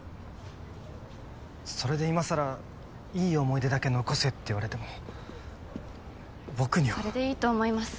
それで今さらいい思い出だけ残せって言われても僕には。それでいいと思います。